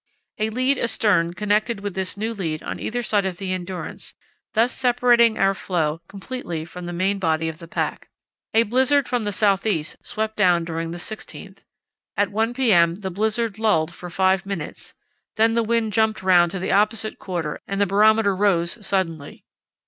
A lead astern connected with this new lead on either side of the Endurance, thus separating our floe completely from the main body of the pack. A blizzard from the south east swept down during the 16th. At 1 p.m. the blizzard lulled for five minutes; then the wind jumped round to the opposite quarter and the barometer rose suddenly.